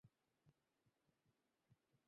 তাকে আমার পক্ষ থেকে ধন্যবাদ জানান, দারুণ হয়েছে।